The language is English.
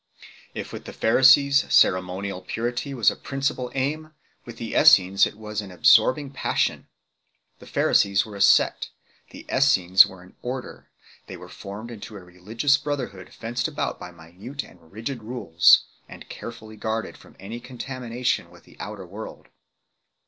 "If with the Pharisees ceremonial purity was a principal aim, with the Essenes it was an absorbing passion. The Pharisees were a sect, the Essenes were an order.... They were formed, in to a religious brotherhood, fenced about by minute ana rigid rules, and carefully guarded from any contamination with the outer world."